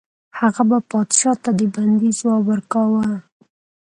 هغه به پادشاه ته د بندي ځواب ورکاوه.